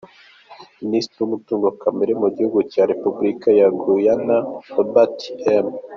Minisitiri w’umutungo kamere wo mu gihugu cya Repubulika ya Guyana, Robert M.